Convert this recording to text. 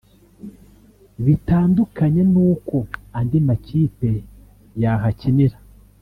bitandukanye n’uko andi makipe yahakinira